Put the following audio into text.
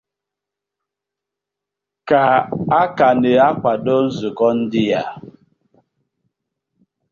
ka a ka na-akwado nzukọ ndị a